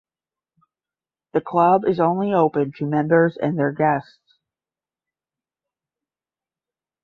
The club is only open to members and their guests.